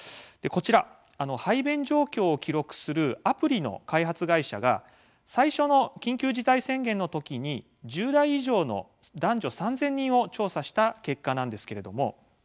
こちら、排便状況を記録するアプリの開発会社が最初の緊急事態宣言のときに１０代以上の男女３０００人を調査した結果です。